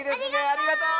ありがとう！